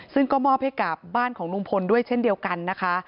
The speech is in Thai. ซึ่งก็มอบให้กับบ้านของลุงพลด้วยเช่นเดียวกันนะคะ